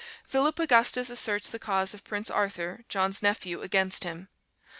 Philip Augustus asserts the cause of Prince Arthur, John's nephew, against him.